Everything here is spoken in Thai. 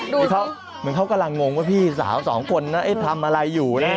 คือเขาเหมือนเขากำลังงงว่าพี่สาวสองคนนั้นทำอะไรอยู่นะฮะ